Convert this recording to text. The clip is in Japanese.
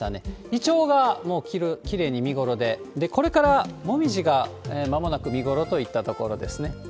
イチョウがもうきれいに見頃で、これからもみじが、まもなく見頃といったところですね。